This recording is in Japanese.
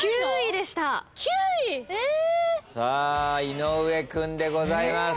井上君でございます。